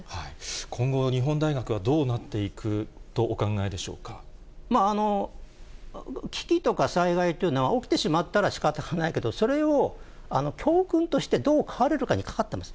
今後、日本大学はどうなって危機とか災害というのは、起きてしまったらしかたがないけど、それを教訓としてどう変われるかにかかっています。